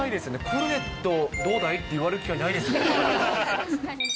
コルネット、どうだい？って言われる機会ないですよ。